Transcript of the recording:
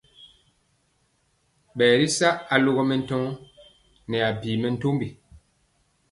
Ɓɛ ri sa alogɔ mɛntɔɔ nɛ abi mɛntombi.